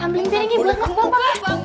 ambilin biar ini boleh ngobrol